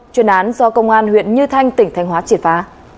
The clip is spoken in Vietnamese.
chuyên án do công an huyện như thanh tỉnh thanh hóa triệt phá